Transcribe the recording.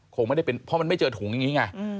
คงไม่ได้เป็นเพราะมันไม่เจอถุงอย่างนี้ไง